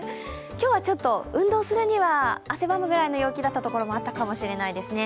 今日はちょっと運動するには汗ばむぐらいの陽気だったところもあったみたいですね。